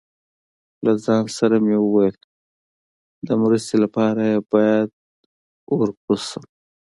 له ځان سره مې وویل، د مرستې لپاره یې باید ور کوز شم.